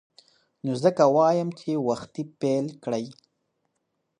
نو ځکه وایم چې وختي پیل کړئ.